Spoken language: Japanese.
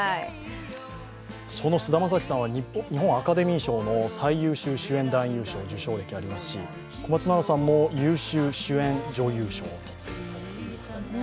その菅田将暉さんは日本アカデミー賞の最優秀主演男優賞の受賞がありますし小松菜奈さんも優秀主演女優賞などがありますね。